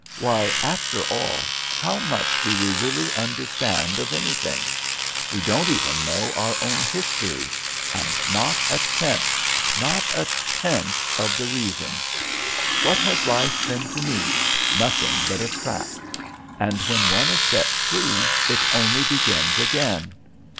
Why, after all, how much do we really understand of anything? We don't even know our own histories, and not a tenth, not a tenth of the reasons. What has life been to me? nothing but a trap. And when one is set free, it only begins again.